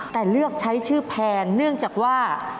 แต่เลือกใช้ชื่อแพนเนื่องจากว่า